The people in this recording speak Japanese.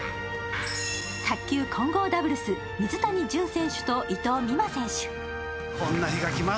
卓球混合ダブルス、水谷隼選手と伊藤美誠選手。